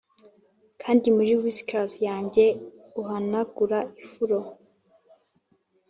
kandi muri whiskers yanjye uhanagura ifuro,